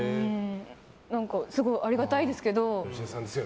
すごい、ありがたいですけど。